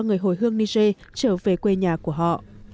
người hồi hương niger trở về quê nhà của họ